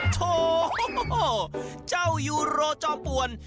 โถเจ้ายูโรจอมปวน